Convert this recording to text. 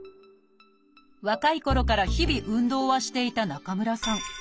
若いころから日々運動はしていた中村さん。